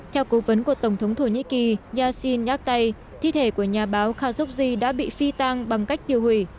theo cố vấn của tổng thống thổ nhĩ kỳ yashin yaktay thi thể của nhà báo khashoggi đã bị phi tang bằng cách tiêu hủy